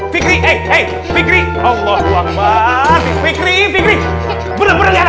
fikri jangan nangkal